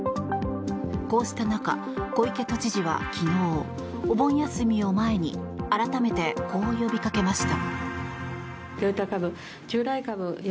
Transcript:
こうした中、小池都知事は昨日お盆休みを前に改めて、こう呼びかけました。